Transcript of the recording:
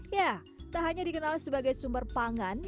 ya tak hanya dikenal sebagai sumber pangan